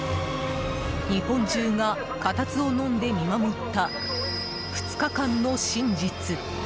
日本中が固唾をのんで見守った２日間の真実。